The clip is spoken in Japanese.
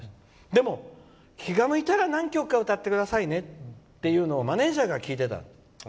でも、気が向いたら何曲か歌ってくださいねというのをマネージャーが聞いてたの。